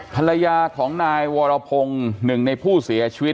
ภรรยาของนายวรพงศ์หนึ่งในผู้เสียชีวิต